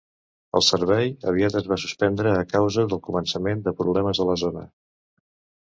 El servei aviat es va suspendre a causa del començament de problemes a la zona.